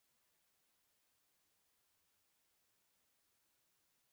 د ګلداد او ګاونډي عثمان جان پاچا د کورونو تر منځ.